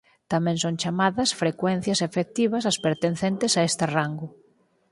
Tamén son chamadas frecuencias efectivas as pertencentes a este rango.